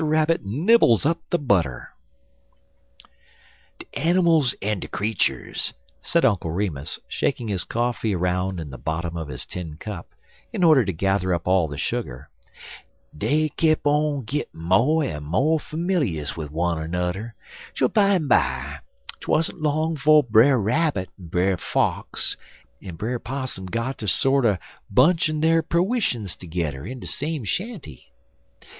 RABBIT NIBBLES UP THE BUTTER '"DE animils en de creeturs," said Uncle Remus, shaking his coffee around in the bottom of his tin cup, in order to gather up all the sugar, 'dey kep' on gittin' mo' en mo' familious wid wunner nudder, twel bimeby, 'twan't long 'fo' Brer Rabbit, en Brer Fox, en Brer Possum got ter sorter bunchin' der perwishuns tergedder in de same shanty.